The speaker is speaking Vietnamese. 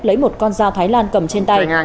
lấy một con dao thái lan cầm trên tay